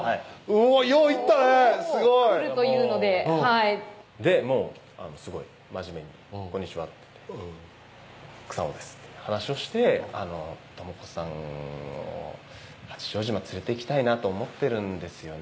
おぉよう行ったねぇすごい！来るというのででもうすごい真面目に「こんにちは草野です」って話をして「智子さんを八丈島連れていきたいなと思ってるんですよね」